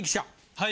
はい。